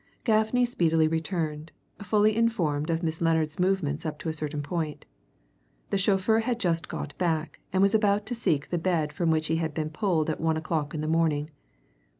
Gaffney speedily returned, fully informed of Miss Lennard's movements up to a certain point. The chauffeur had just got back, and was about to seek the bed from which he had been pulled at one o'clock in the morning.